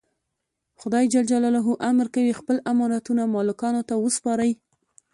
خدای امر کوي خپل امانتونه مالکانو ته وسپارئ.